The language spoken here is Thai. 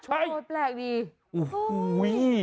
โอ้แปลกดิ